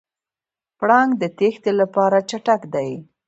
پړانګ د تېښتې لپاره چټک دی.